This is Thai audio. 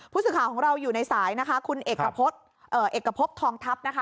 ผู้สื่อข่าวของเราอยู่ในสายนะคะคุณเอกกะพบเอ่อเอกกะพบทองทัพนะคะ